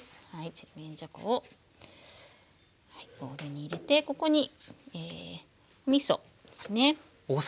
ちりめんじゃこをボウルに入れてここにみそですね。